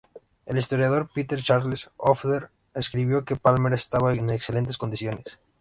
El historiador Peter Charles Hoffer escribió que Palmer estaba en excelentes condiciones.